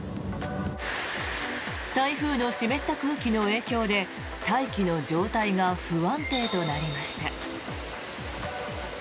台風の湿った空気の影響で大気の状態が不安定となりました。